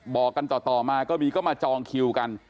บอกกันต่อมาก็มีก็มาจองคิวกัน